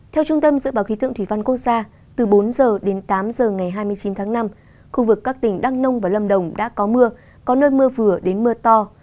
theo trung tâm dự báo khí tượng thủy văn quốc gia từ bốn h đến tám h ngày hai mươi chín tháng năm khu vực các tỉnh đăng nông và lâm đồng đã có mưa có nơi mưa vừa đến mưa to